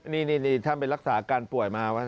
นี่นี่นี่ท่านไปรักษาการป่วยมา